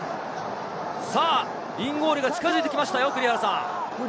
インゴールが近づいてきましたよ。